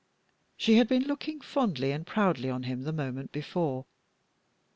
She had been looking fondly and proudly on him the moment before.